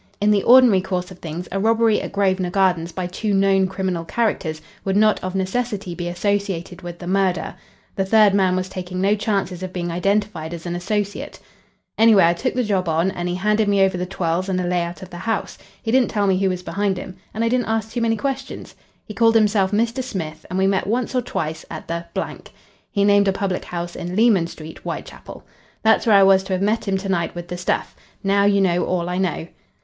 In the ordinary course of things, a robbery at Grosvenor Gardens by two known criminal characters would not of necessity be associated with the murder. The third man was taking no chances of being identified as an associate. "Anyway, I took the job on, and he handed me over the twirls and a lay out of the house. He didn't tell me who was behind him. And I didn't ask too many questions. He called himself Mr. Smith, and we met once or twice at the " He named a public house in Leman Street, Whitechapel. "That's where I was to have met him to night with the stuff. Now you know all I know."